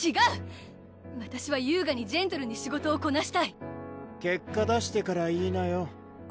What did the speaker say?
わたしは優雅にジェントルに仕事をこなしたい結果出してから言いなよ